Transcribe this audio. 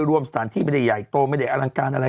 ว้าว